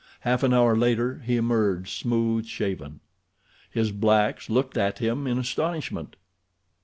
Half an hour later he emerged smooth shaven. His blacks looked at him in astonishment.